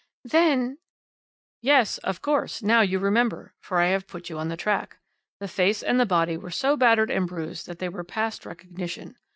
"Then " "Yes, of course, now you remember, for I have put you on the track. The face and the body were so battered and bruised that they were past recognition.